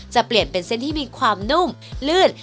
จะเปลี่ยนเป็นเส้นที่มีความนุ่มลื่น